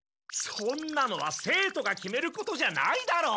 そんなのは生徒が決めることじゃないだろ！